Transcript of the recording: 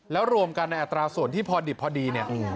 แล้วรวมกันในอัตราส่วนที่พอดิบพอดีเนี่ย